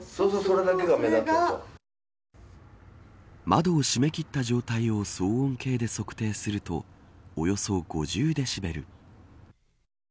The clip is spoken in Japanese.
窓を閉め切った状態を騒音計で測定するとおよそ５０デシベル。